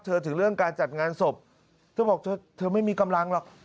ถึงเรื่องการจัดงานศพเธอบอกเธอเธอไม่มีกำลังหรอก